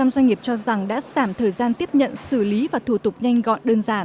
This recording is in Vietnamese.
một mươi doanh nghiệp cho rằng đã giảm thời gian tiếp nhận xử lý và thủ tục nhanh gọn đơn giản